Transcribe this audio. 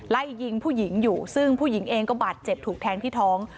ไล่ยิงผู้หญิงอยู่ซึ่งผู้หญิงเองก็บาดเจ็บถูกแทงที่ท้อง